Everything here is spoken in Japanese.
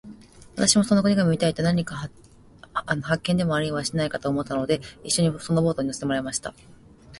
私もその国が見たいのと、何か発見でもありはしないかと思ったので、一しょにそのボートに乗せてもらいました。